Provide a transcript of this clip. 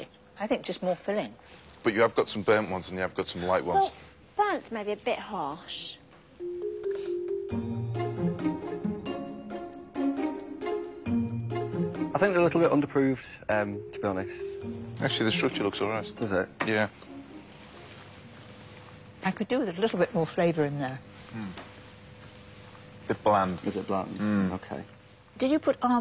はい。